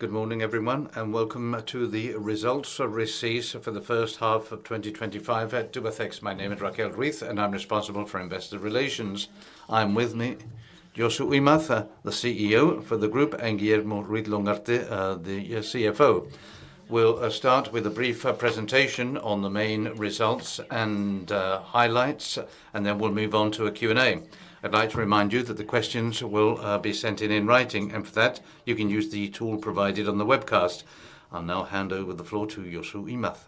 Good morning, everyone, and welcome to the results of research for the first half of 2025 at Tubacex. My name is Raquel Ruiz Conde, and I'm responsible for Investor Relations. I'm with me Josu Imaz, the CEO for the group, and Guillermo Ruiz Longarte, the CFO. We'll start with a brief presentation on the main results and highlights, then we'll move on to a Q&A. I'd like to remind you that the questions will be sent in in writing, and for that, you can use the tool provided on the webcast. I'll now hand over the floor to Josu Imaz.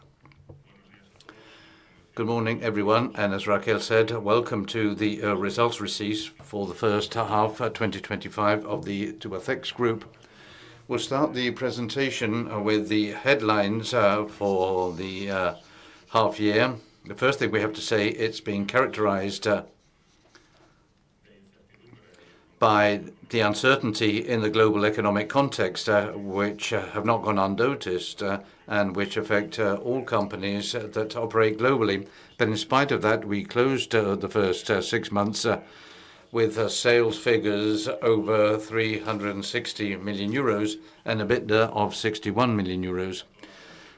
Good morning, everyone, and as Raquel said, welcome to the results research for the first half of 2025 of the Tubacex Group. We'll start the presentation with the headlines for the half-year. The first thing we have to say is it's been characterized by the uncertainty in the global economic context, which has not gone unnoticed and which affects all companies that operate globally. In spite of that, we closed the first six months with sales figures over 360 million euros and EBITDA of 61 million euros.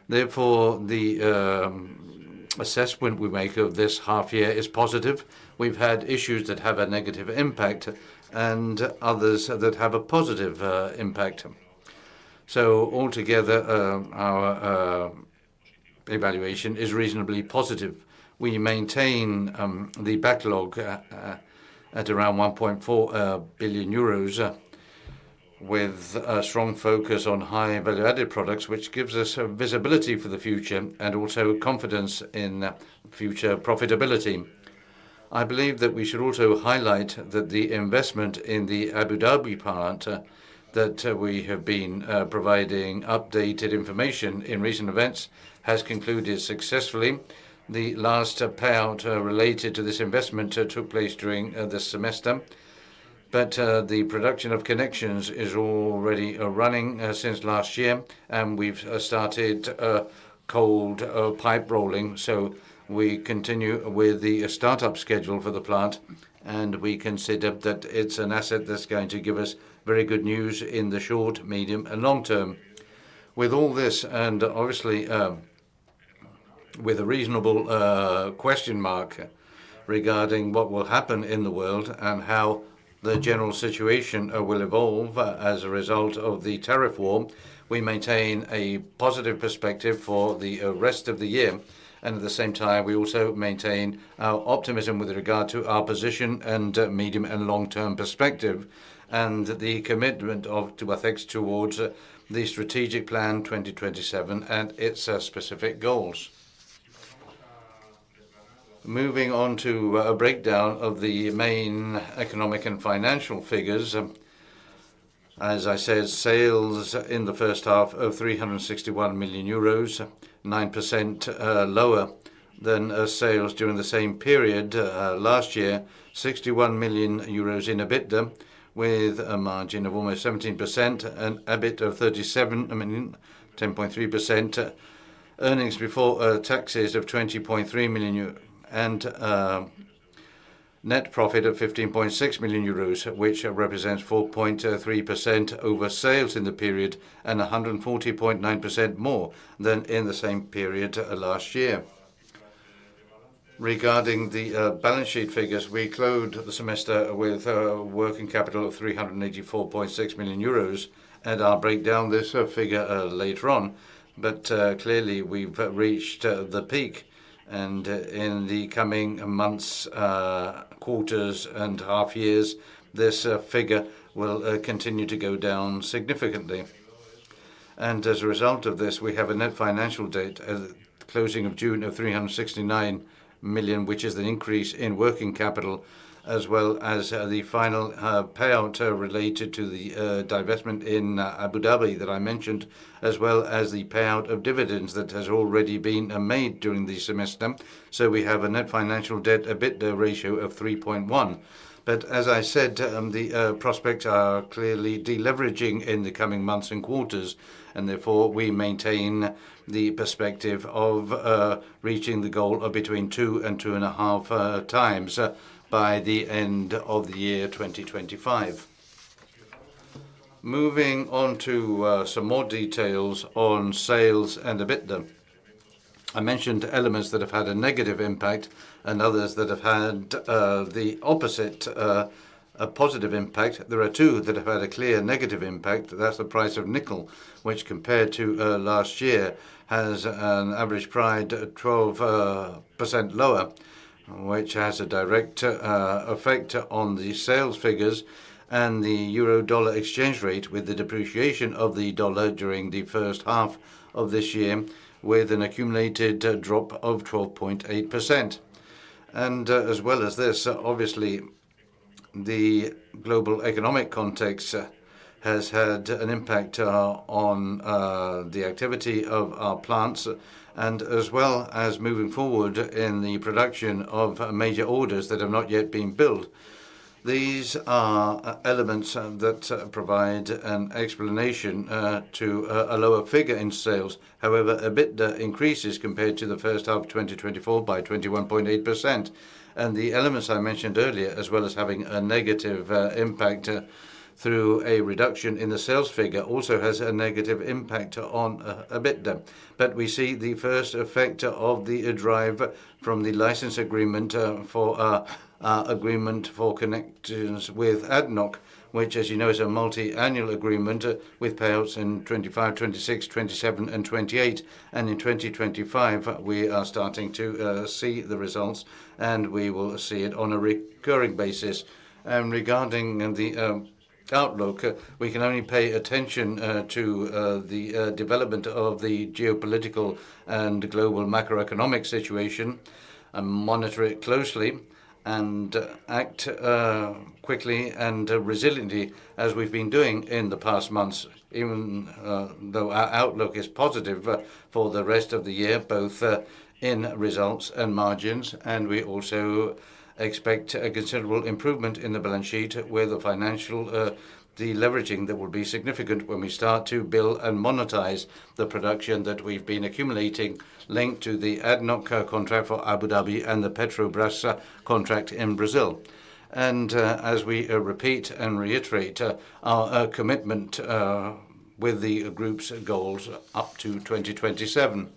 Therefore, the assessment we make of this half-year is positive. We've had issues that have a negative impact and others that have a positive impact. Altogether, our evaluation is reasonably positive. We maintain the backlog at around 1.4 billion euros, with a strong focus on high-value added products, which gives us visibility for the future and also confidence in future profitability. I believe that we should also highlight that the investment in the Abu Dhabi plant that we have been providing updated information in recent events has concluded successfully. The last payout related to this investment took place during the semester, but the production of connections is already running since last year, and we've started cold pipe rolling. We continue with the startup schedule for the plant, and we consider that it's an asset that's going to give us very good news in the short, medium, and long term. With all this, and obviously with a reasonable question mark regarding what will happen in the world and how the general situation will evolve as a result of the tariff war, we maintain a positive perspective for the rest of the year. At the same time, we also maintain our optimism with regard to our position and medium and long-term perspective and the commitment of Tubacex towards the strategic plan 2027 and its specific goals. Moving on to a breakdown of the main economic and financial figures, as I said, sales in the first half of 361 million euros, 9% lower than sales during the same period last year, 61 million euros in EBITDA with a margin of almost 17% and EBIT of 37 million, 10.3%. Earnings before taxes of 20.3 million euros and net profit of 15.6 million euros, which represents 4.3% over sales in the period and 140.9% more than in the same period last year. Regarding the balance sheet figures, we closed the semester with a working capital of 384.6 million euros, and I'll break down this figure later on. Clearly, we've reached the peak, and in the coming months, quarters, and half years, this figure will continue to go down significantly. As a result of this, we have a net financial debt at the closing of June of 369 million, which is an increase in working capital, as well as the final payout related to the divestment in Abu Dhabi that I mentioned, as well as the payout of dividends that has already been made during the semester. We have a net financial debt-to-EBITDA ratio of 3.1. As I said, the prospects are clearly deleveraging in the coming months and quarters, and therefore, we maintain the perspective of reaching the goal of between two and two and a half times by the end of the year 2025. Moving on to some more details on sales and EBITDA. I mentioned elements that have had a negative impact and others that have had the opposite positive impact. There are two that have had a clear negative impact. That's the price of nickel, which compared to last year has an average price 12% lower, which has a direct effect on the sales figures and the Euro-Dollar exchange rate with the depreciation of the dollar during the first half of this year, with an accumulated drop of 12.8%. As well as this, obviously, the global economic context has had an impact on the activity of our plants, as well as moving forward in the production of major orders that have not yet been built. These are elements that provide an explanation to a lower figure in sales. However, EBITDA increases compared to the first half of 2024 by 21.8%. The elements I mentioned earlier, as well as having a negative impact through a reduction in the sales figure, also has a negative impact on EBITDA. We see the first effect of the drive from the license agreement for our agreement for connections with ADNOC, which, as you know, is a multi-annual agreement with payouts in 2025, 2026, 2027, and 2028. In 2025, we are starting to see the results, and we will see it on a recurring basis. Regarding the outlook, we can only pay attention to the development of the geopolitical and global macroeconomic situation and monitor it closely and act quickly and resiliently, as we've been doing in the past months, even though our outlook is positive for the rest of the year, both in results and margins. We also expect a considerable improvement in the balance sheet with the financial deleveraging that will be significant when we start to build and monetize the production that we've been accumulating, linked to the ADNOC contract for Abu Dhabi and the Petrobras contract in Brazil. As we repeat and reiterate our commitment with the group's goals up to 2027.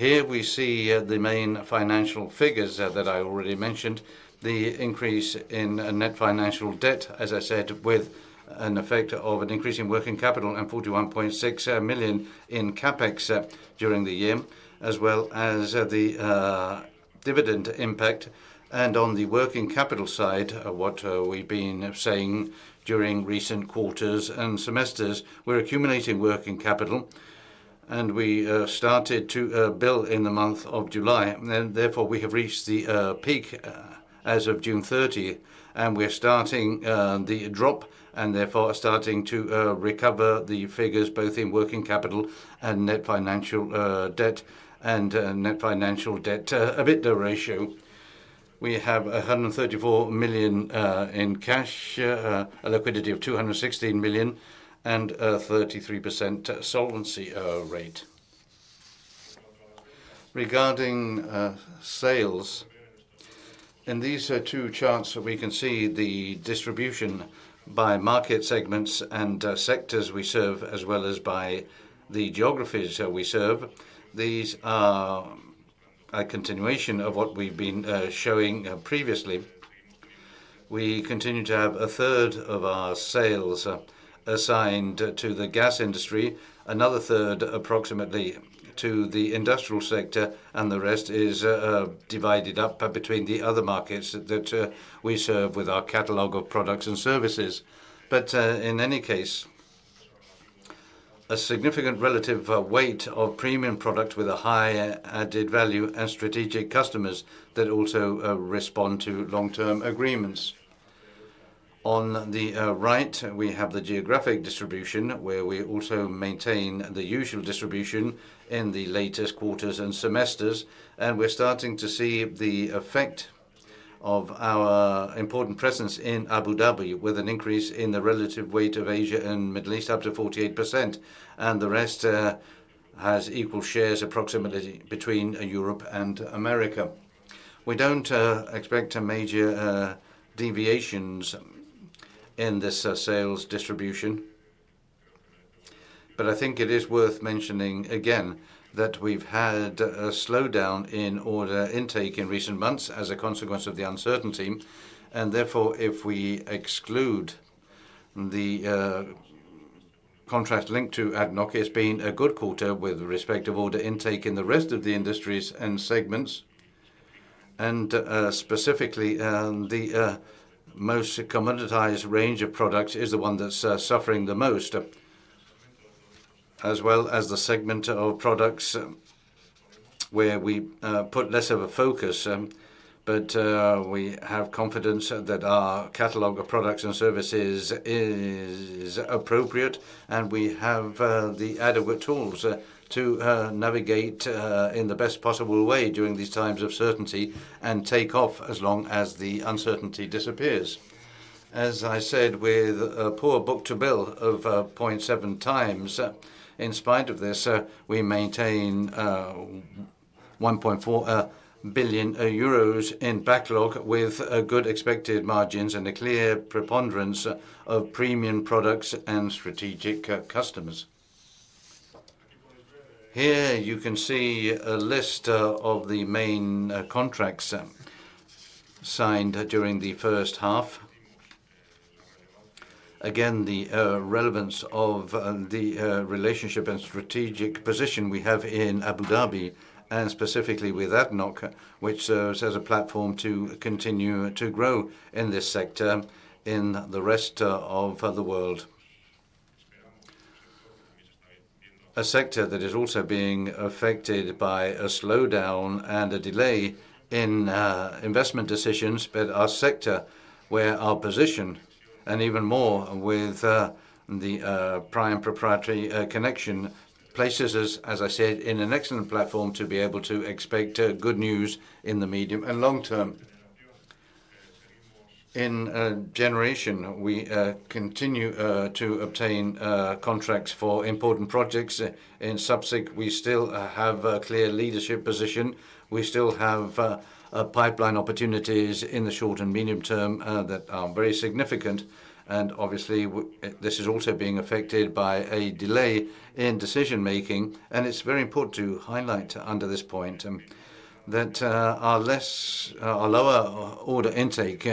Here we see the main financial figures that I already mentioned: the increase in net financial debt, as I said, with an effect of an increase in working capital and 41.6 million in CapEx during the year, as well as the dividend impact. On the working capital side, what we've been saying during recent quarters and semesters, we're accumulating working capital, and we started to build in the month of July. Therefore, we have reached the peak as of June 30, and we're starting the drop and therefore starting to recover the figures both in working capital and net financial debt and net financial debt-to-EBITDA ratio. We have 134 million in cash, a liquidity of 216 million, and a 33% solvency rate. Regarding sales in these two charts, we can see the distribution by market segments and sectors we serve, as well as by the geographies we serve. These are a continuation of what we've been showing previously. We continue to have a third of our sales assigned to the gas industry, another third approximately to the industrial sector, and the rest is divided up between the other markets that we serve with our catalog of products and services. In any case, a significant relative weight of premium products with a high added value and strategic customers that also respond to long-term agreements. On the right, we have the geographic distribution where we also maintain the usual distribution in the latest quarters and semesters, and we're starting to see the effect of our important presence in Abu Dhabi with an increase in the relative weight of Asia and the Middle East up to 48%. The rest has equal shares approximately between Europe and America. We don't expect major deviations in this sales distribution, but I think it is worth mentioning again that we've had a slowdown in order intake in recent months as a consequence of the uncertainty. Therefore, if we exclude the contract linked to ADNOC, it's been a good quarter with respect to order intake in the rest of the industries and segments. Specifically, the most commoditized range of products is the one that's suffering the most, as well as the segment of products where we put less of a focus. We have confidence that our catalog of products and services is appropriate, and we have the adequate tools to navigate in the best possible way during these times of uncertainty and take off as long as the uncertainty disappears. As I said, with a poor book-to-build of 0.7x, in spite of this, we maintain 1.4 billion euros in backlog with good expected margins and a clear preponderance of premium products and strategic customers. Here you can see a list of the main contracts signed during the first half. Again, the relevance of the relationship and strategic position we have in Abu Dhabi and specifically with ADNOC, which serves as a platform to continue to grow in this sector in the rest of the world. A sector that is also being affected by a slowdown and a delay in investment decisions, our sector where our position, and even more with the Prime proprietary connection, places us, as I said, in an excellent platform to be able to expect good news in the medium and long term. In generation, we continue to obtain contracts for important projects. In subsequence, we still have a clear leadership position. We still have pipeline opportunities in the short and medium term that are very significant. Obviously, this is also being affected by a delay in decision-making. It is very important to highlight under this point that our lower order intake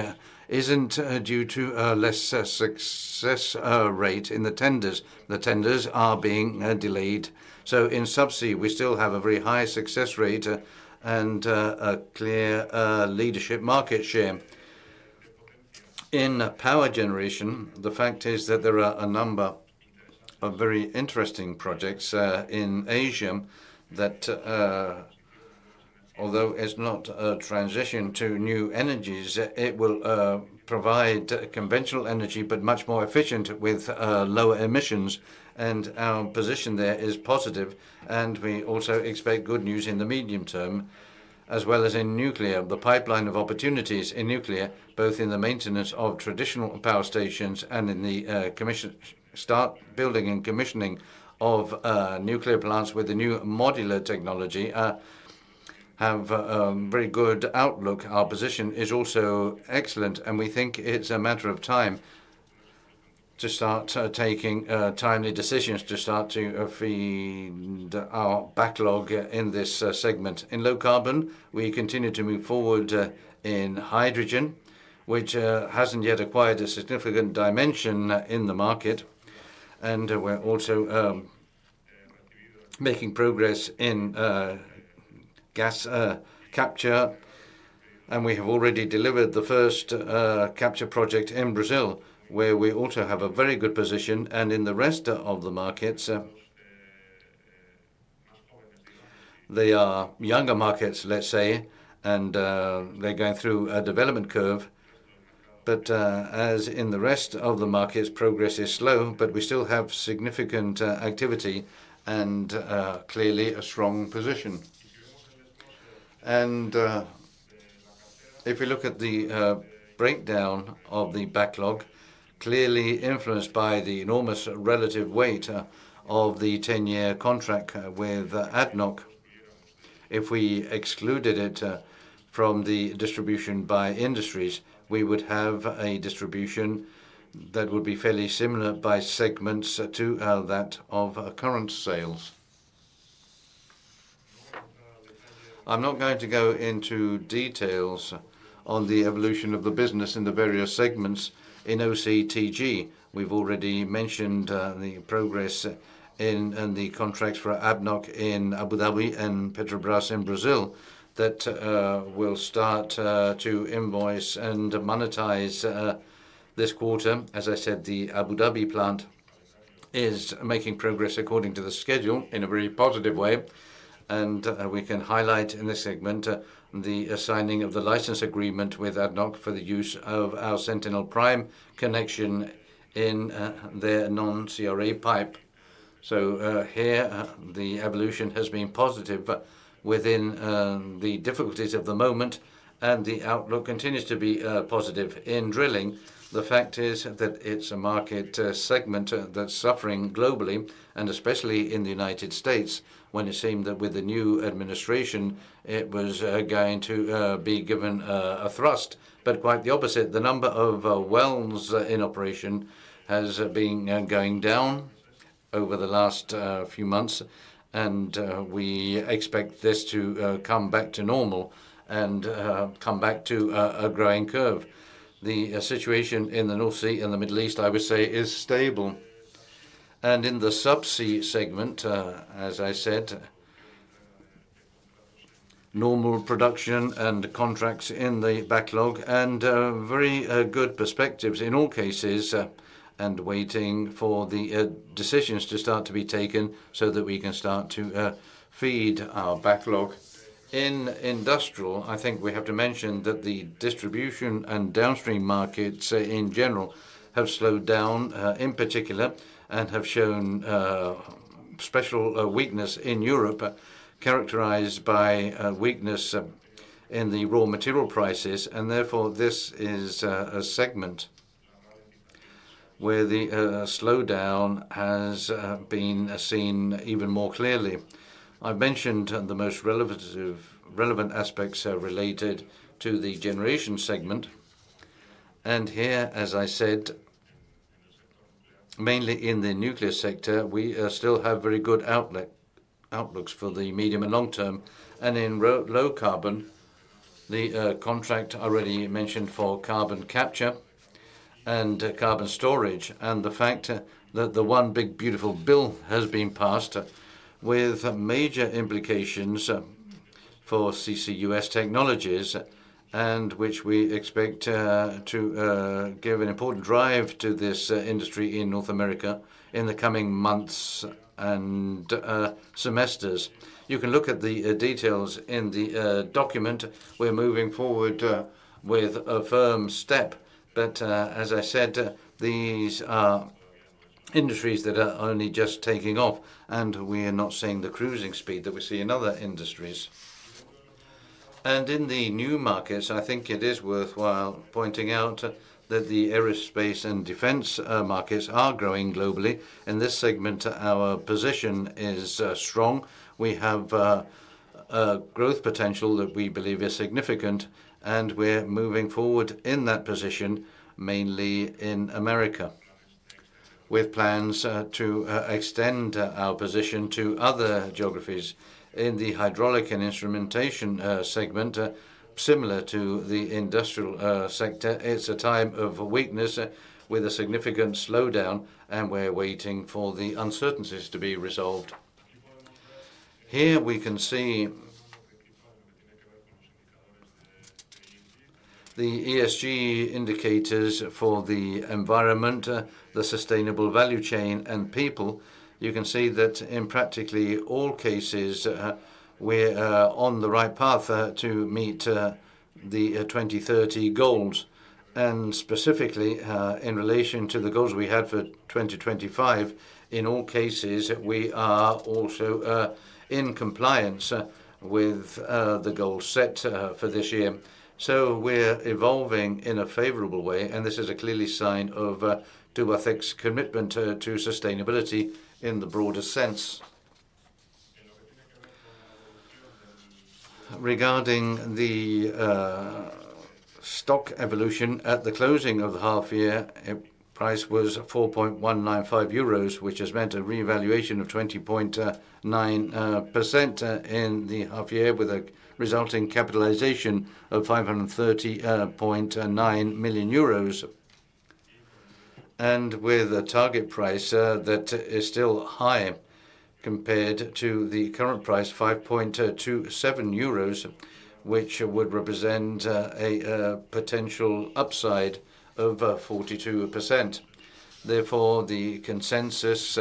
isn't due to a less success rate in the tenders. The tenders are being delayed. In subsequence, we still have a very high success rate and a clear leadership market share. In power generation, the fact is that there are a number of very interesting projects in Asia that, although it's not a transition to new energies, it will provide conventional energy, but much more efficient with lower emissions. Our position there is positive, and we also expect good news in the medium term, as well as in nuclear. The pipeline of opportunities in nuclear, both in the maintenance of traditional power stations and in the start building and commissioning of nuclear plants with the new modular technology, have a very good outlook. Our position is also excellent, and we think it's a matter of time to start taking timely decisions to start to feed our backlog in this segment. In low carbon, we continue to move forward in hydrogen, which hasn't yet acquired a significant dimension in the market. We're also making progress in carbon capture, and we have already delivered the first capture project in Brazil, where we also have a very good position. In the rest of the markets, they are younger markets, let's say, and they're going through a development curve. As in the rest of the markets, progress is slow, but we still have significant activity and clearly a strong position. If we look at the breakdown of the backlog, clearly influenced by the enormous relative weight of the 10-year contract with ADNOC, if we excluded it from the distribution by industries, we would have a distribution that would be fairly similar by segments to that of current sales. I'm not going to go into details on the evolution of the business in the various segments in OCTG. We've already mentioned the progress in the contracts for ADNOC in Abu Dhabi and Petrobras in Brazil that will start to invoice and monetize this quarter. As I said, the Abu Dhabi plant is making progress according to the schedule in a very positive way. We can highlight in this segment the signing of the license agreement with ADNOC for the use of our Sentinel Prime connection in their non-CRA pipe. Here, the evolution has been positive within the difficulties of the moment, and the outlook continues to be positive. In drilling, the fact is that it's a market segment that's suffering globally, and especially in the United States, when it seemed that with the new administration, it was going to be given a thrust. Quite the opposite, the number of wells in operation has been going down over the last few months, and we expect this to come back to normal and come back to a growing curve. The situation in the North Sea and the Middle East, I would say, is stable. In the subsea segment, as I said, normal production and contracts in the backlog and very good perspectives in all cases, and waiting for the decisions to start to be taken so that we can start to feed our backlog. In industrial, I think we have to mention that the distribution and downstream markets in general have slowed down in particular and have shown special weakness in Europe, characterized by weakness in the raw material prices. Therefore, this is a segment where the slowdown has been seen even more clearly. I've mentioned the most relevant aspects related to the generation segment. Here, as I said, mainly in the nuclear sector, we still have very good outlooks for the medium and long term. In low carbon, the contract already mentioned for carbon capture and carbon storage, and the fact that the one big beautiful bill has been passed with major implications for CCUS technologies, which we expect to give an important drive to this industry in North America in the coming months and semesters. You can look at the details in the document. We're moving forward with a firm step. These are industries that are only just taking off, and we are not seeing the cruising speed that we see in other industries. In the new markets, I think it is worthwhile pointing out that the aerospace and defense markets are growing globally. In this segment, our position is strong. We have a growth potential that we believe is significant, and we're moving forward in that position, mainly in America, with plans to extend our position to other geographies. In the hydraulic and instrumentation segment, similar to the industrial sector, it's a time of weakness with a significant slowdown, and we're waiting for the uncertainties to be resolved. Here, we can see the ESG indicators for the environment, the sustainable value chain, and people. You can see that in practically all cases, we're on the right path to meet the 2030 goals. Specifically, in relation to the goals we had for 2025, in all cases, we are also in compliance with the goals set for this year. We're evolving in a favorable way, and this is a clear sign of Tubacex's commitment to sustainability in the broader sense. Regarding the stock evolution at the closing of the half-year, price was 4.195 euros, which has meant a reevaluation of 20.9% in the half-year with a resulting capitalization of 530.9 million euros. With a target price that is still high compared to the current price, 5.27 euros, which would represent a potential upside of 42%. Therefore, the consensus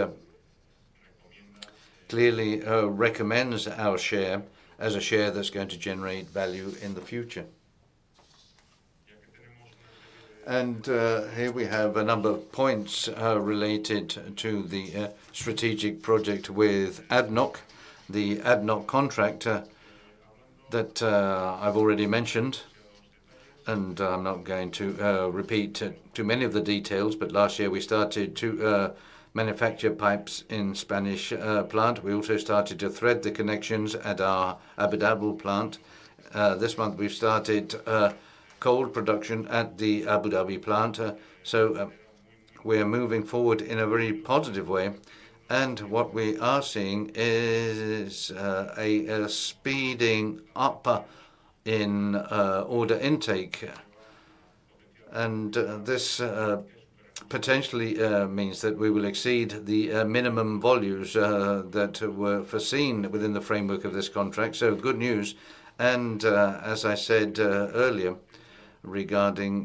clearly recommends our share as a share that's going to generate value in the future. We have a number of points related to the strategic project with ADNOC, the ADNOC contractor that I've already mentioned. I'm not going to repeat too many of the details, but last year, we started to manufacture pipes in the Spanish plant. We also started to thread the connections at our Abu Dhabi plant. This month, we've started cold production at the Abu Dhabi plant. We're moving forward in a very positive way. What we are seeing is a speeding up in order intake. This potentially means that we will exceed the minimum volumes that were foreseen within the framework of this contract. Good news. As I said earlier, regarding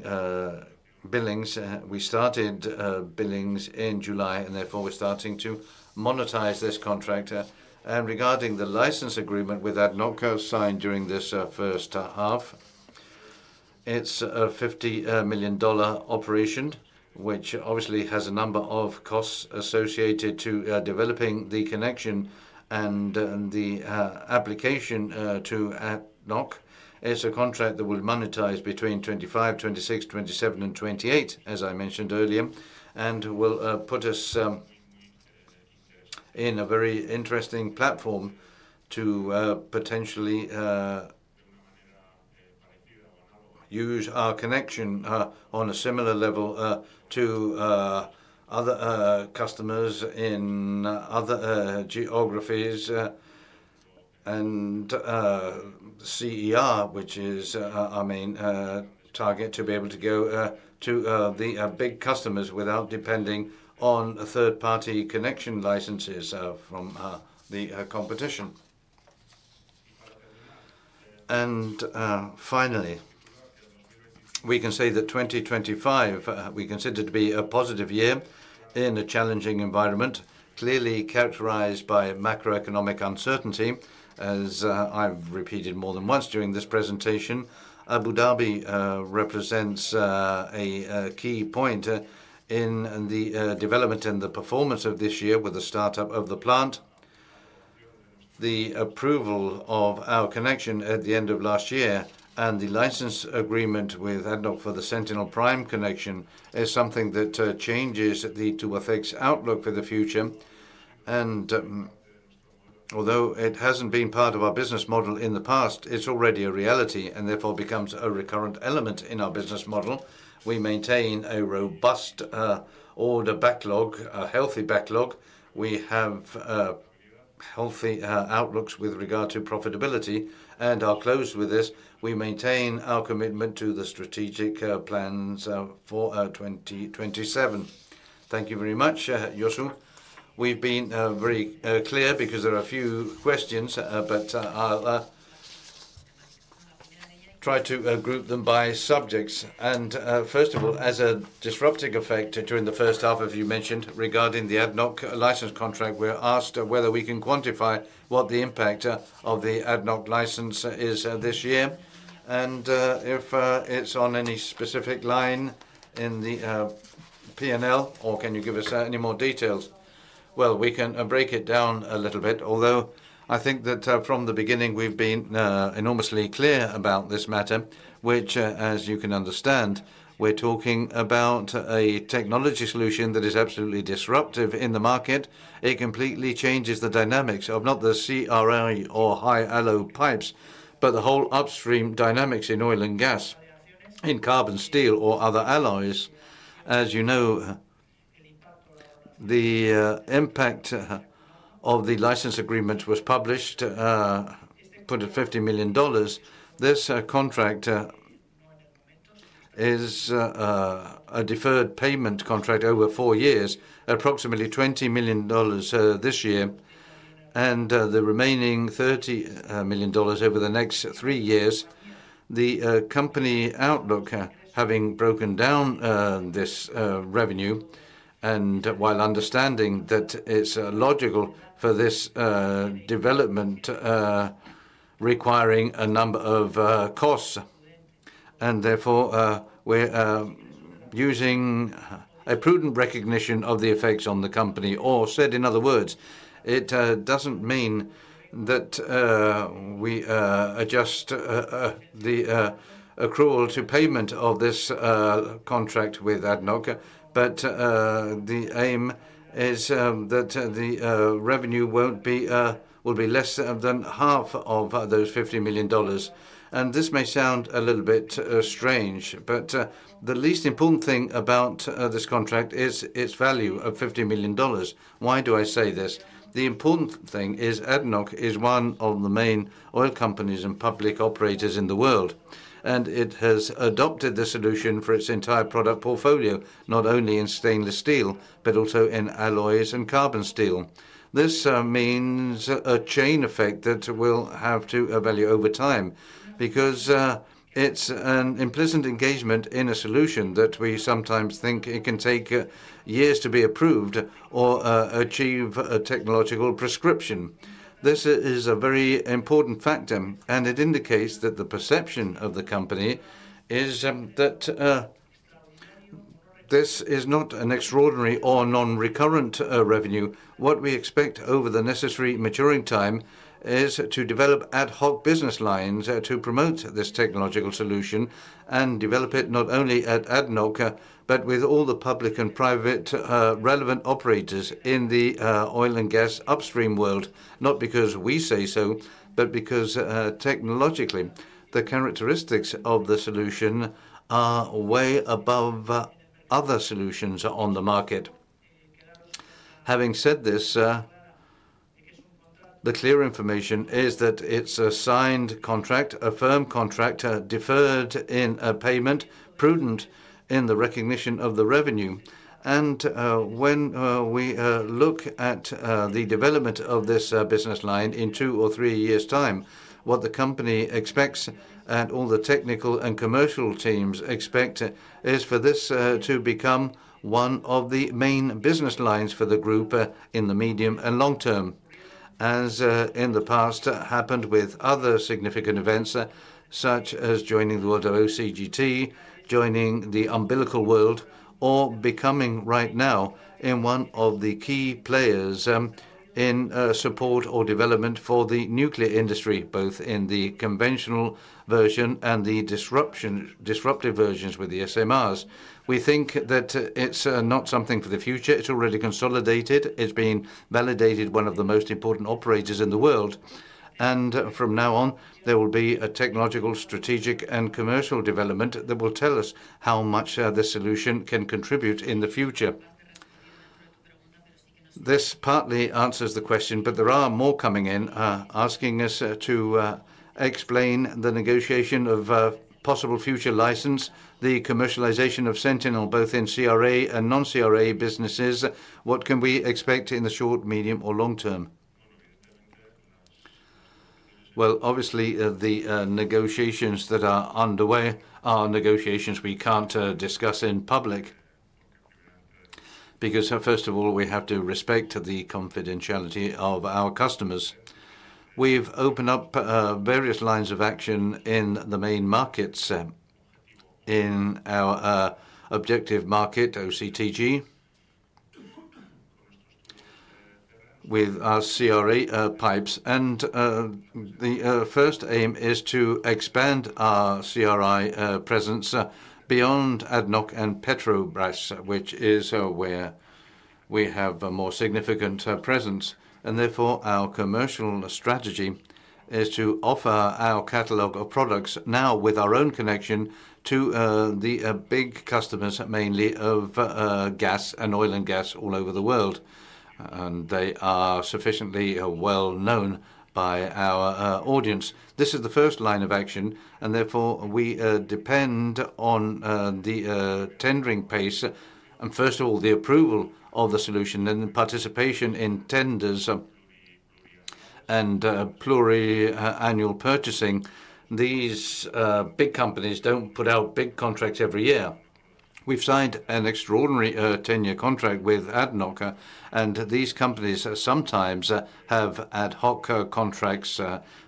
billings, we started billings in July, and therefore, we're starting to monetize this contract. Regarding the license agreement with ADNOC signed during this first half, it's a $50 million operation, which obviously has a number of costs associated to developing the connection and the application to ADNOC. It's a contract that will monetize between 2025, 2026, 2027, and 2028, as I mentioned earlier, and will put us in a very interesting platform to potentially use our connection on a similar level to other customers in other geographies and CER, which is our main target, to be able to go to the big customers without depending on third-party connection licenses from the competition. Finally, we can say that 2025 we consider to be a positive year in a challenging environment, clearly characterized by macroeconomic uncertainty. As I've repeated more than once during this presentation, Abu Dhabi represents a key point in the development and the performance of this year with the startup of the plant. The approval of our connection at the end of last year and the license agreement with ADNOC for the Sentinel Prime connection is something that changes the Tubacex outlook for the future. Although it hasn't been part of our business model in the past, it's already a reality and therefore becomes a recurrent element in our business model. We maintain a robust order backlog, a healthy backlog. We have healthy outlooks with regard to profitability. I'll close with this. We maintain our commitment to the strategic plans for 2027. Thank you very much, Josu. We've been very clear because there are a few questions, but I'll try to group them by subjects. First of all, as a disruptive effect during the first half, as you mentioned, regarding the ADNOC license contract, we're asked whether we can quantify what the impact of the ADNOC license is this year. If it's on any specific line in the P&L, or can you give us any more details? We can break it down a little bit, although I think that from the beginning, we've been enormously clear about this matter, which, as you can understand, we're talking about a technology solution that is absolutely disruptive in the market. It completely changes the dynamics of not the CRA or high alloy pipes, but the whole upstream dynamics in oil and gas, in carbon, steel, or other alloys. As you know, the impact of the license agreement was published, put at $50 million. This contract is a deferred payment contract over four years, approximately $20 million this year, and the remaining $30 million over the next three years. The company outlook, having broken down this revenue, and while understanding that it's logical for this development requiring a number of costs, and therefore, we're using a prudent recognition of the effects on the company, or said in other words, it doesn't mean that we adjust the accrual to payment of this contract with ADNOC, but the aim is that the revenue will be less than half of those $50 million. This may sound a little bit strange, but the least important thing about this contract is its value of $50 million. Why do I say this? The important thing is ADNOC is one of the main oil companies and public operators in the world, and it has adopted the solution for its entire product portfolio, not only in stainless steel, but also in alloys and carbon steel. This means a chain effect that will have to evaluate over time because it's an implicit engagement in a solution that we sometimes think it can take years to be approved or achieve a technological prescription. This is a very important factor, and it indicates that the perception of the company is that this is not an extraordinary or non-recurrent revenue. What we expect over the necessary maturing time is to develop ad hoc business lines to promote this technological solution and develop it not only at ADNOC, but with all the public and private relevant operators in the oil and gas upstream world, not because we say so, but because technologically, the characteristics of the solution are way above other solutions on the market. Having said this, the clear information is that it's a signed contract, a firm contract deferred in a payment, prudent in the recognition of the revenue. When we look at the development of this business line in two or three years' time, what the company expects and all the technical and commercial teams expect is for this to become one of the main business lines for the group in the medium and long term, as in the past happened with other significant events such as joining the world OCTG, joining the umbilical world, or becoming right now one of the key players in support or development for the nuclear industry, both in the conventional version and the disruptive versions with the SMRs. We think that it's not something for the future. It's already consolidated. It's been validated as one of the most important operators in the world. From now on, there will be a technological, strategic, and commercial development that will tell us how much this solution can contribute in the future. This partly answers the question, but there are more coming in asking us to explain the negotiation of possible future license, the commercialization of Sentinel both in CRA and non-CRA businesses. What can we expect in the short, medium, or long term? Obviously, the negotiations that are underway are negotiations we can't discuss in public because, first of all, we have to respect the confidentiality of our customers. We've opened up various lines of action in the main markets, in our objective market, OCTG, with our CRA pipes. The first aim is to expand our CRI presence beyond ADNOC and Petrobras, which is where we have a more significant presence. Therefore, our commercial strategy is to offer our catalog of products now with our own connection to the big customers, mainly of gas and oil and gas all over the world. They are sufficiently well known by our audience. This is the first line of action, and therefore, we depend on the tendering pace, and first of all, the approval of the solution and the participation in tenders and pluriannual purchasing. These big companies don't put out big contracts every year. We've signed an extraordinary 10-year contract with ADNOC, and these companies sometimes have ad hoc contracts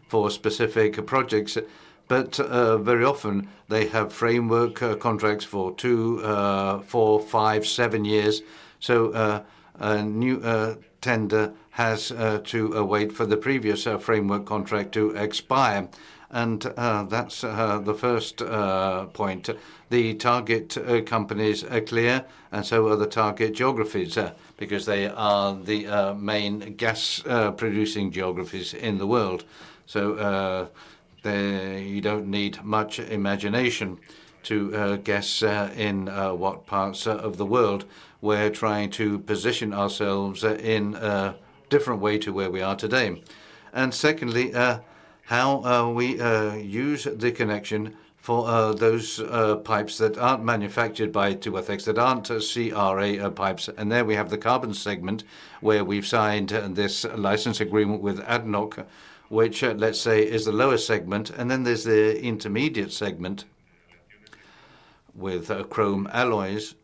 for specific projects, but very often, they have framework contracts for two, four, five, seven years. A new tender has to wait for the previous framework contract to expire. That's the first point. The target companies are clear, and so are the target geographies because they are the main gas-producing geographies in the world. You don't need much imagination to guess in what parts of the world we're trying to position ourselves in a different way to where we are today. Secondly, how we use the connection for those pipes that aren't manufactured by Tubacex, that aren't CRA pipes. There we have the carbon segment where we've signed this license agreement with ADNOC, which let's say is the lowest segment. There's the intermediate segment with chrome alloys.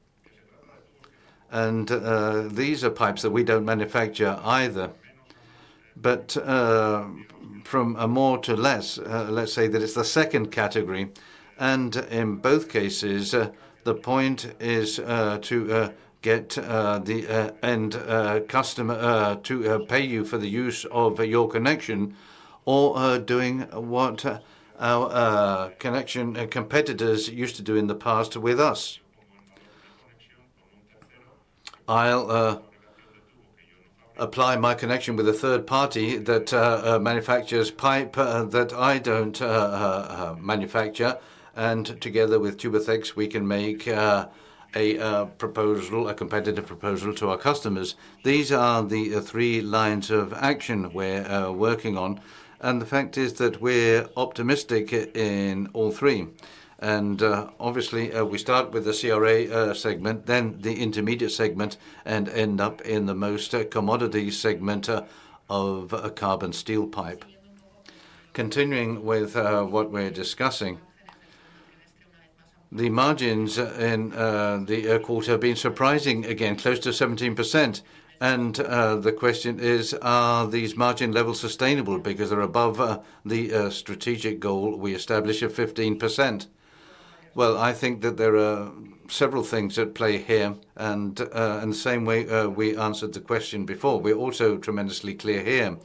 These are pipes that we don't manufacture either. From a more to less, let's say that it's the second category. In both cases, the point is to get the end customer to pay you for the use of your connection or doing what our connection competitors used to do in the past with us. I'll apply my connection with a third party that manufactures pipe that I don't manufacture. Together with Tubacex, we can make a proposal, a competitive proposal to our customers. These are the three lines of action we're working on. The fact is that we're optimistic in all three. Obviously, we start with the CRA segment, then the intermediate segment, and end up in the most commodity segment of a carbon steel pipe. Continuing with what we're discussing, the margins in the quarter have been surprising again, close to 17%. The question is, are these margin levels sustainable because they're above the strategic goal we established of 15%? I think that there are several things at play here. In the same way we answered the question before, we're also tremendously clear here.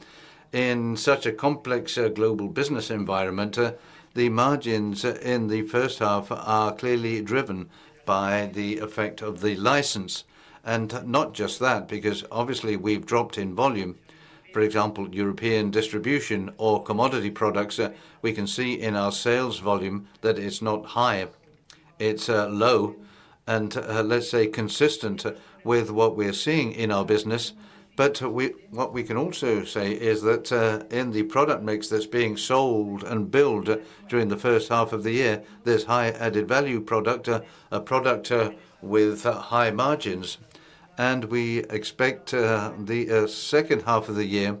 In such a complex global business environment, the margins in the first half are clearly driven by the effect of the license. Not just that, because obviously we've dropped in volume. For example, European distribution or commodity products, we can see in our sales volume that it's not high. It's low and let's say consistent with what we're seeing in our business. What we can also say is that in the product mix that's being sold and billed during the first half of the year, there's high added value product, a product with high margins. We expect the second half of the year,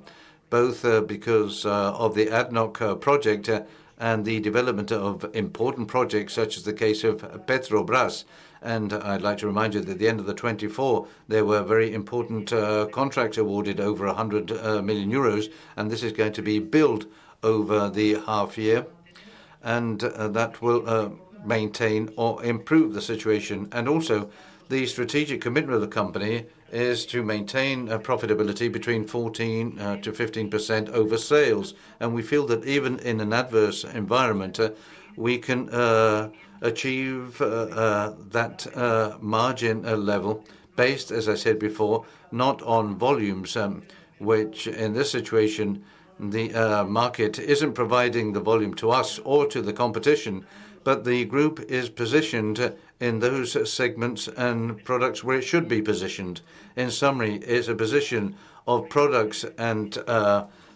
both because of the ADNOC project and the development of important projects such as the case of Petrobras. I'd like to remind you that at the end of 2024, there were very important contracts awarded over 100 million euros, and this is going to be billed over the half year. That will maintain or improve the situation. The strategic commitment of the company is to maintain profitability between 14%-15% over sales. We feel that even in an adverse environment, we can achieve that margin level based, as I said before, not on volumes, which in this situation, the market isn't providing the volume to us or to the competition, but the group is positioned in those segments and products where it should be positioned. In summary, it's a position of products and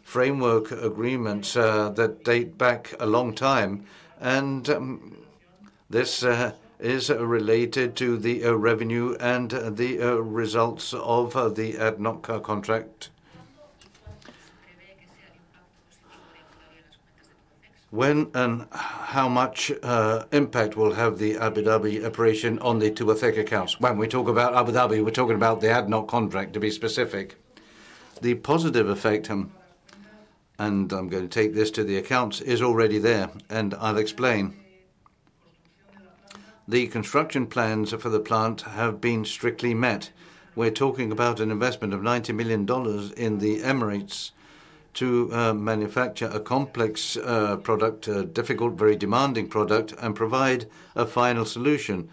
framework agreements that date back a long time. This is related to the revenue and the results of the ADNOC contract. When and how much impact will the Abu Dhabi operation have on the Tubacex accounts? When we talk about Abu Dhabi, we're talking about the ADNOC contract, to be specific. The positive effect, and I'm going to take this to the accounts, is already there, and I'll explain. The construction plans for the plant have been strictly met. We're talking about an investment of $90 million in the Emirates to manufacture a complex product, a difficult, very demanding product, and provide a final solution,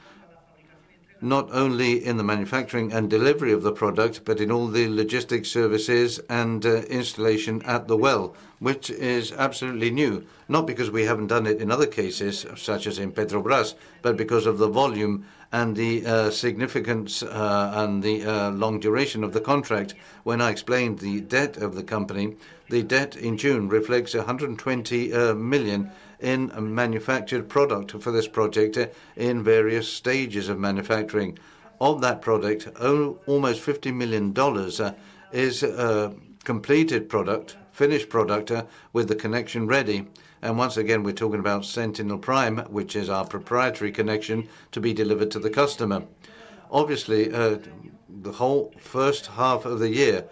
not only in the manufacturing and delivery of the product, but in all the logistics services and installation at the well, which is absolutely new. Not because we haven't done it in other cases, such as in Petrobras, but because of the volume and the significance and the long duration of the contract. When I explained the debt of the company, the debt in June reflects 120 million in a manufactured product for this project in various stages of manufacturing. Of that product, almost $50 million is a completed product, finished product with the connection ready. Once again, we're talking about Sentinel Prime, which is our proprietary connection to be delivered to the customer. Obviously, the whole first half of the year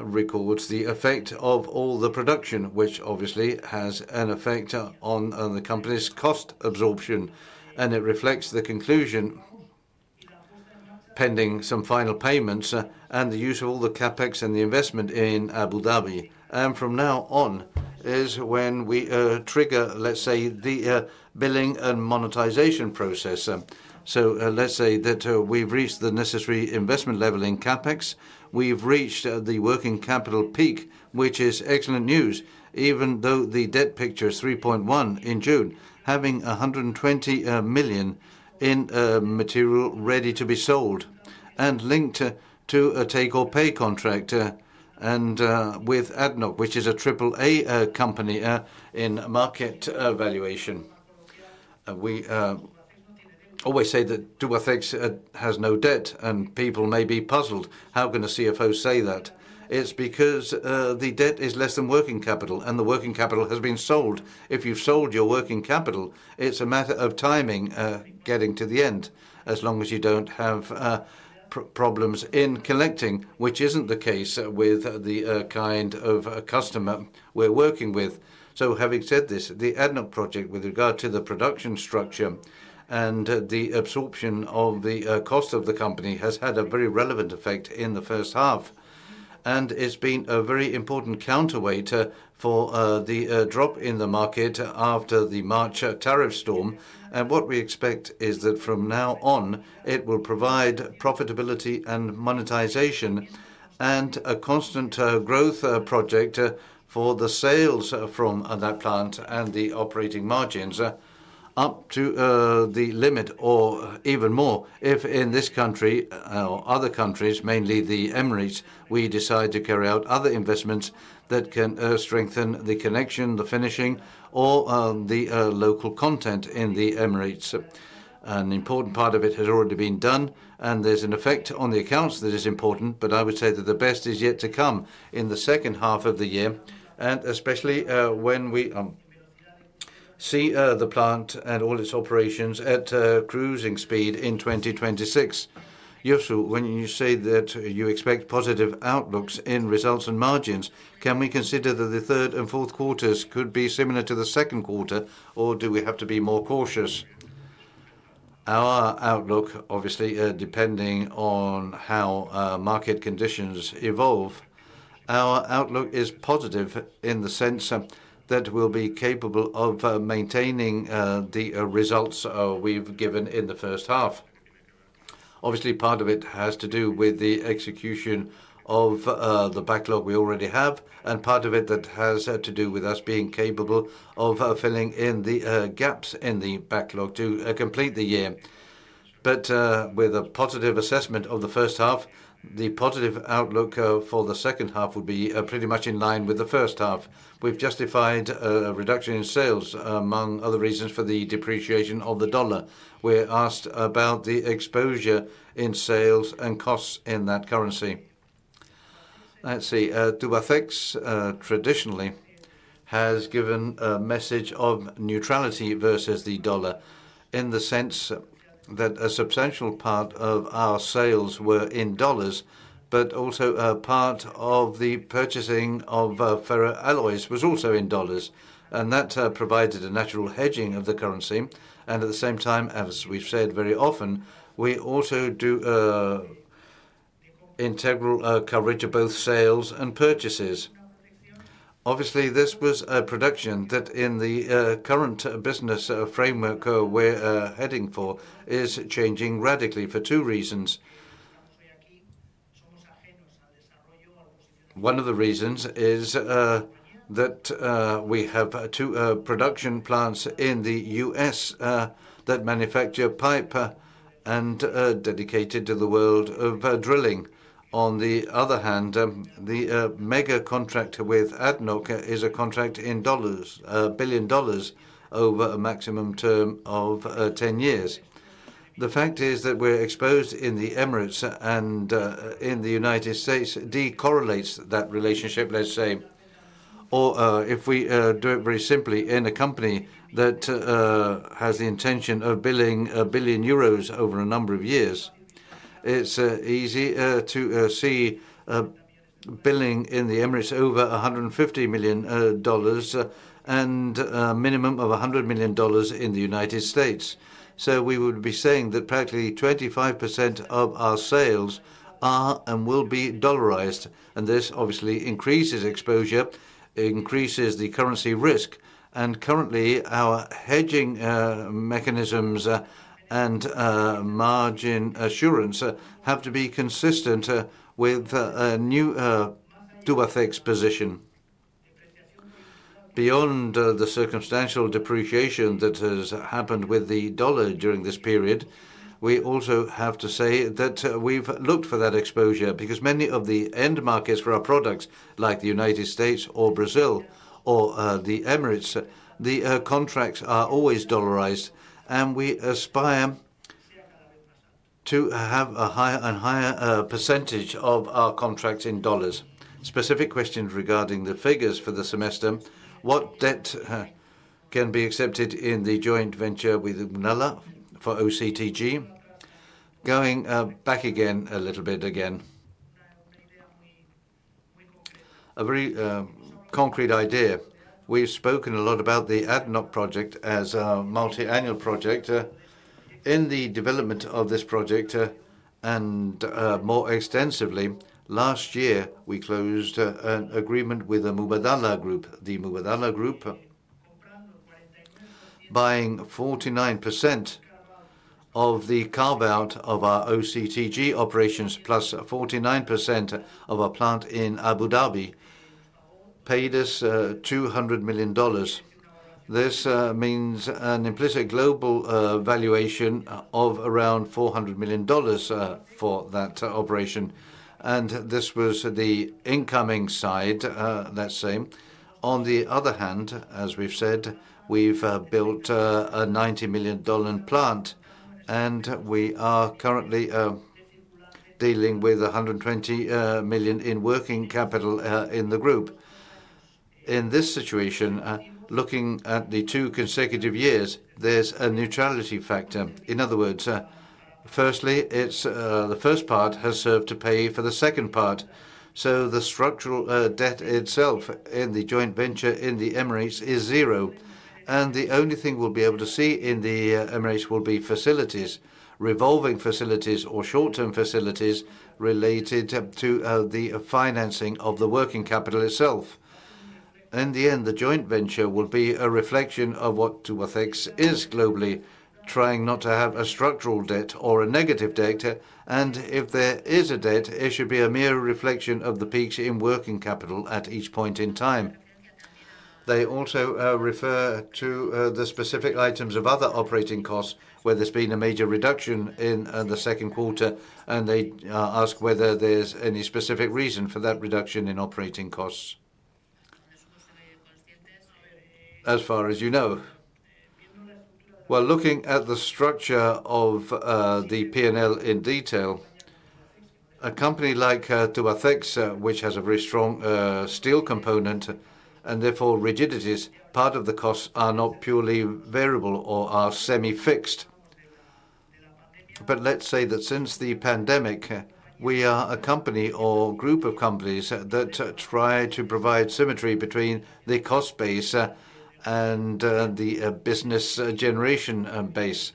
records the effect of all the production, which obviously has an effect on the company's cost absorption. It reflects the conclusion pending some final payments and the use of all the CapEx and the investment in Abu Dhabi. From now on is when we trigger, let's say, the billing and monetization process. Let's say that we've reached the necessary investment level in CapEx. We've reached the working capital peak, which is excellent news, even though the debt picture is 3.1 million in June, having 120 million in material ready to be sold and linked to a take-or-pay contract with ADNOC, which is a AAA company in market valuation. We always say that Tubacex has no debt, and people may be puzzled. How can a CFO say that? It's because the debt is less than working capital, and the working capital has been sold. If you've sold your working capital, it's a matter of timing getting to the end, as long as you don't have problems in collecting, which isn't the case with the kind of customer we're working with. Having said this, the ADNOC project with regard to the production structure and the absorption of the cost of the company has had a very relevant effect in the first half. It's been a very important counterweight for the drop in the market after the March tariff storm. What we expect is that from now on, it will provide profitability and monetization and a constant growth project for the sales from that plant and the operating margins up to the limit or even more. If in this country or other countries, mainly the Emirates, we decide to carry out other investments that can strengthen the connection, the finishing, or the local content in the Emirates. An important part of it has already been done, and there's an effect on the accounts that is important. I would say that the best is yet to come in the second half of the year, and especially when we see the plant and all its operations at cruising speed in 2026. Josu, when you say that you expect positive outlooks in results and margins, can we consider that the third and fourth quarters could be similar to the second quarter, or do we have to be more cautious? Our outlook, obviously, depending on how market conditions evolve, our outlook is positive in the sense that we'll be capable of maintaining the results we've given in the first half. Obviously, part of it has to do with the execution of the backlog we already have, and part of it that has to do with us being capable of filling in the gaps in the backlog to complete the year. With a positive assessment of the first half, the positive outlook for the second half would be pretty much in line with the first half. We've justified a reduction in sales among other reasons for the depreciation of the dollar. We're asked about the exposure in sales and costs in that currency. Let's see. Tubacex, traditionally, has given a message of neutrality versus the dollar in the sense that a substantial part of our sales were in dollars, but also a part of the purchasing of ferro alloys was also in dollars. That provided a natural hedging of the currency. At the same time, as we've said very often, we also do integral coverage of both sales and purchases. Obviously, this was a production that in the current business framework we're heading for is changing radically for two reasons. One of the reasons is that we have two production plants in the U.S. that manufacture pipe and are dedicated to the world of drilling. On the other hand, the mega contract with ADNOC is a contract in dollars, $1 billion over a maximum term of 10 years. The fact is that we're exposed in the Emirates and in the United States decorrelates that relationship, let's say. If we do it very simply, in a company that has the intention of billing 1 billion euros over a number of years, it's easy to see billing in the Emirates over $150 million and a minimum of $100 million in the United States. We would be saying that practically 25% of our sales are and will be dollarized. This obviously increases exposure, increases the currency risk. Currently, our hedging mechanisms and margin assurance have to be consistent with a new Tubacex position. Beyond the circumstantial depreciation that has happened with the dollar during this period, we also have to say that we've looked for that exposure because many of the end markets for our products, like the United States or Brazil or the Emirates, the contracts are always dollarized. We aspire to have a higher and higher percentage of our contracts in dollars. Specific questions regarding the figures for the semester. What debt can be accepted in the joint venture with Nella for OCTG? Going back again a little bit again. A very concrete idea. We've spoken a lot about the ADNOC project as a multi-annual project. In the development of this project, and more extensively, last year, we closed an agreement with the Mubadala Group. The Mubadala Group, buying 49% of the carve-out of our OCTG operations, plus 49% of our plant in Abu Dhabi, paid us $200 million. This means an implicit global valuation of around $400 million for that operation. This was the incoming side, let's say. On the other hand, as we've said, we've built a $90 million plant, and we are currently dealing with 120 million in working capital in the group. In this situation, looking at the two consecutive years, there's a neutrality factor. In other words, firstly, the first part has served to pay for the second part. The structural debt itself in the joint venture in the Emirates is zero. The only thing we'll be able to see in the Emirates will be facilities, revolving facilities, or short-term facilities related to the financing of the working capital itself. In the end, the joint venture will be a reflection of what Tubacex is globally, trying not to have a structural debt or a negative debt. If there is a debt, it should be a mere reflection of the peak in working capital at each point in time. They also refer to the specific items of other operating costs, where there's been a major reduction in the second quarter, and they ask whether there's any specific reason for that reduction in operating costs. As far as you know, looking at the structure of the P&L in detail, a company like Tubacex, which has a very strong steel component, and therefore rigidities, part of the costs are not purely variable or are semi-fixed. Let's say that since the pandemic, we are a company or group of companies that try to provide symmetry between the cost base and the business generation base.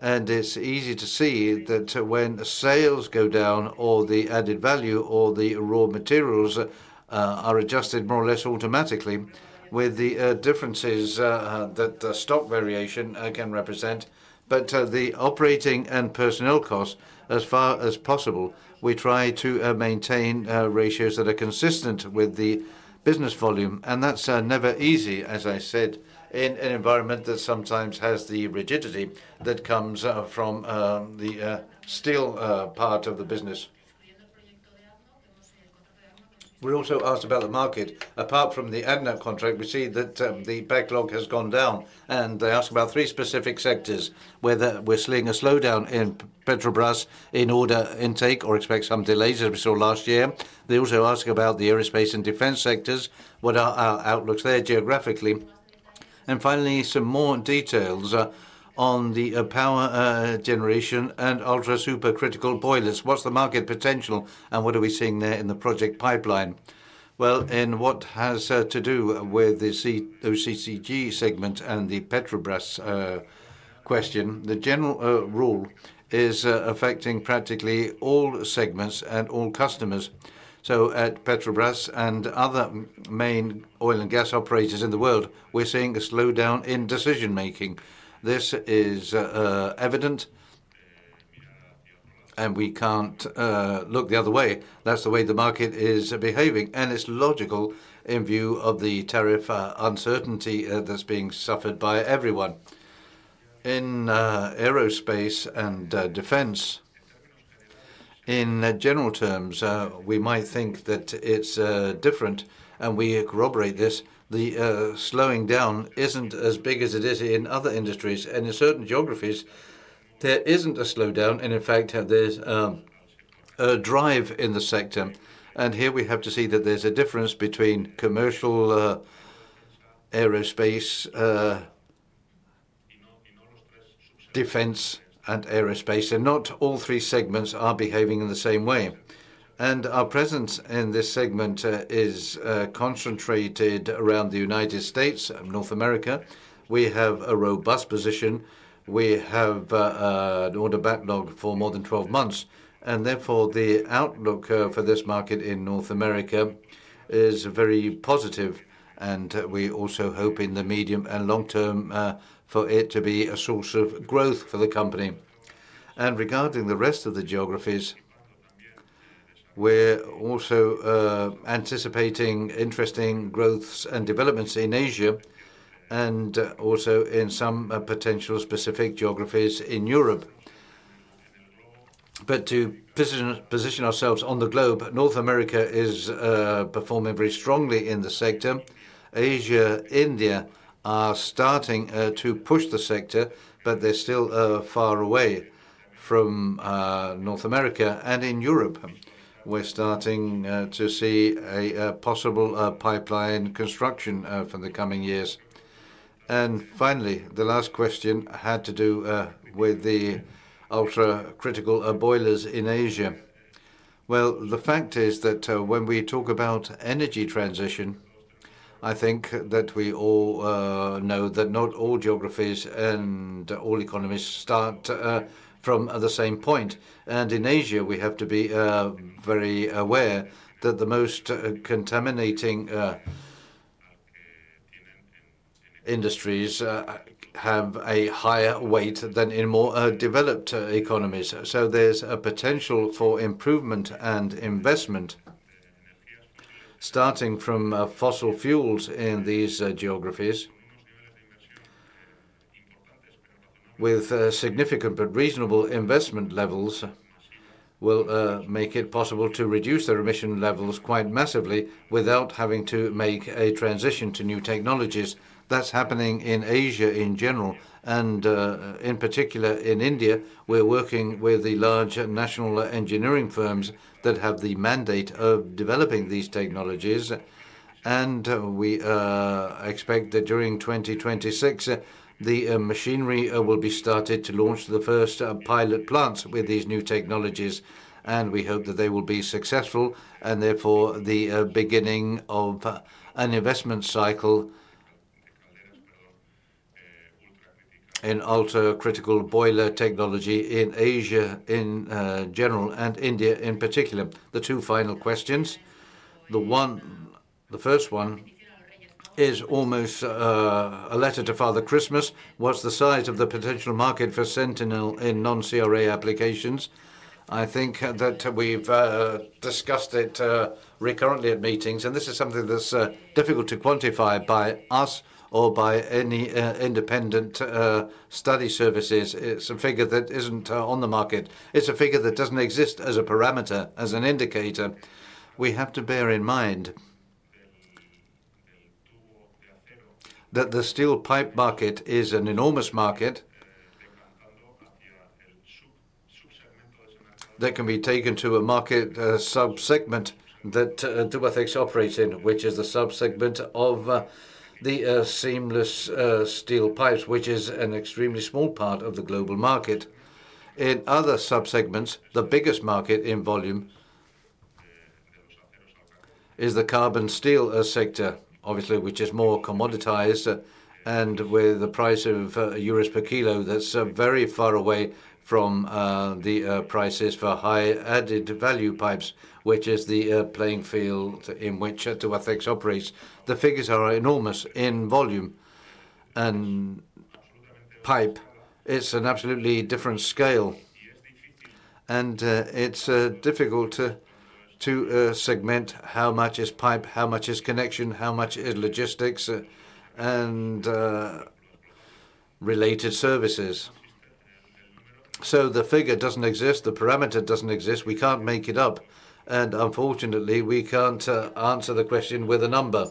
It's easy to see that when sales go down or the added value or the raw materials are adjusted more or less automatically with the differences that the stock variation can represent. The operating and personnel costs, as far as possible, we try to maintain ratios that are consistent with the business volume. That's never easy, as I said, in an environment that sometimes has the rigidity that comes from the steel part of the business. We also asked about the market. Apart from the ADNOC contract, we see that the backlog has gone down. They ask about three specific sectors, whether we're seeing a slowdown in Petrobras in order intake or expect some delays as we saw last year. They also ask about the aerospace and defense sectors, what are our outlooks there geographically. Finally, some more details on the power generation and ultra-supercritical boilers. What's the market potential and what are we seeing there in the project pipeline? In what has to do with the OCTG segment and the Petrobras question, the general rule is affecting practically all segments and all customers. At Petrobras and other main oil and gas operators in the world, we're seeing a slowdown in decision-making. This is evident, and we can't look the other way. That's the way the market is behaving. It's logical in view of the tariff uncertainty that's being suffered by everyone in aerospace and defense. In general terms, we might think that it's different, and we corroborate this. The slowing down isn't as big as it is in other industries. In certain geographies, there isn't a slowdown. In fact, there's a drive in the sector. Here we have to see that there's a difference between commercial aerospace, defense, and aerospace. Not all three segments are behaving in the same way. Our presence in this segment is concentrated around the United States and North America. We have a robust position. We have an order backlog for more than 12 months, and therefore, the outlook for this market in North America is very positive. We also hope in the medium and long term for it to be a source of growth for the company. Regarding the rest of the geographies, we're also anticipating interesting growths and developments in Asia and also in some potential specific geographies in Europe. To position ourselves on the globe, North America is performing very strongly in the sector. Asia and India are starting to push the sector, but they're still far away from North America. In Europe, we're starting to see a possible pipeline construction for the coming years. Finally, the last question had to do with the ultra-critical boilers in Asia. The fact is that when we talk about energy transition, I think that we all know that not all geographies and all economies start from the same point. In Asia, we have to be very aware that the most contaminating industries have a higher weight than in more developed economies. There's a potential for improvement and investment, starting from fossil fuels in these geographies. With significant but reasonable investment levels, we'll make it possible to reduce the emission levels quite massively without having to make a transition to new technologies. That's happening in Asia in general. In particular, in India, we're working with the large national engineering firms that have the mandate of developing these technologies. We expect that during 2026, the machinery will be started to launch the first pilot plants with these new technologies. We hope that they will be successful and therefore the beginning of an investment cycle in ultra-critical boiler technology in Asia in general and India in particular. The two final questions, the first one is almost a letter to Father Christmas. What's the size of the potential market for Sentinel in non-CRA applications? I think that we've discussed it recurrently at meetings. This is something that's difficult to quantify by us or by any independent study services. It's a figure that isn't on the market. It's a figure that doesn't exist as a parameter, as an indicator. We have to bear in mind that the steel pipe market is an enormous market. They can be taken to a market subsegment that Tubacex operates in, which is the subsegment of the seamless steel pipes, which is an extremely small part of the global market. In other subsegments, the biggest market in volume is the carbon steel sector, obviously, which is more commoditized. With the price of Euros per kilo, that's very far away from the prices for high added value pipes, which is the playing field in which Tubacex operates. The figures are enormous in volume. Pipe is an absolutely different scale. It's difficult to segment how much is pipe, how much is connection, how much is logistics, and related services. The figure doesn't exist. The parameter doesn't exist. We can't make it up. Unfortunately, we can't answer the question with a number.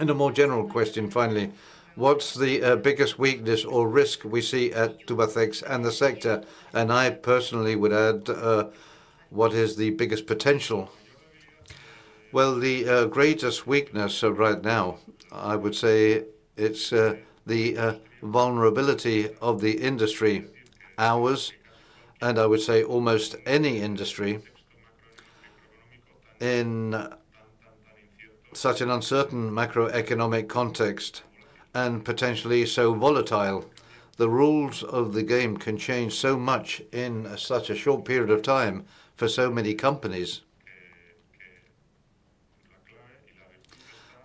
A more general question, finally, what's the biggest weakness or risk we see at Tubacex and the sector? I personally would add, what is the biggest potential? The greatest weakness right now, I would say, is the vulnerability of the industry, ours, and I would say almost any industry in such an uncertain macroeconomic context and potentially so volatile. The rules of the game can change so much in such a short period of time for so many companies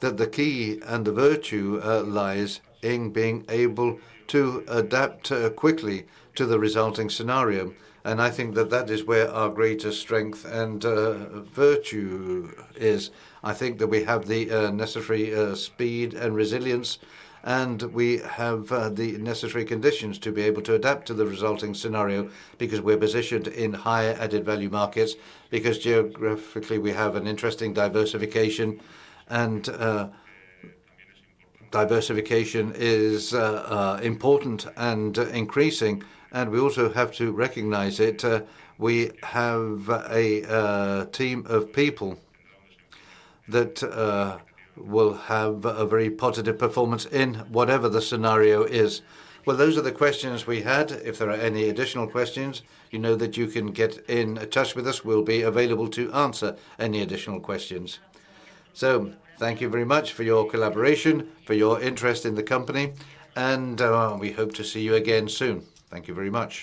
that the key and the virtue lies in being able to adapt quickly to the resulting scenario. I think that that is where our greatest strength and virtue is. I think that we have the necessary speed and resilience, and we have the necessary conditions to be able to adapt to the resulting scenario because we're positioned in higher added value markets, because geographically we have an interesting diversification, and diversification is important and increasing. We also have to recognize it. We have a team of people that will have a very positive performance in whatever the scenario is. Those are the questions we had. If there are any additional questions, you know that you can get in touch with us. We'll be available to answer any additional questions. Thank you very much for your collaboration, for your interest in the company, and we hope to see you again soon. Thank you very much.